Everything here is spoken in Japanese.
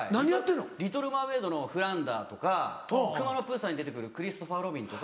『リトル・マーメイド』のフランダーとか『くまのプーさん』に出て来るクリストファー・ロビンとか。